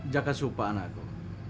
jangan lupa anakku